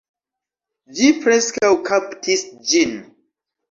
Ĝi preskaŭ kaptis ĝin